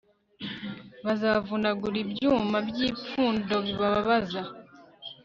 Bazavunagura ibyuma byipfundo bibabaza